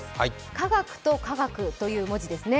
科学と化学という文字ですね。